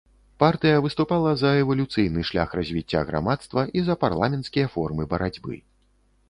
Партыя выступала за эвалюцыйны шлях развіцця грамадства і за парламенцкія формы барацьбы.